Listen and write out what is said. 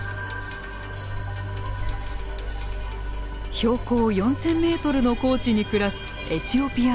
標高４，０００メートルの高地に暮らすエチオピアンウルフ。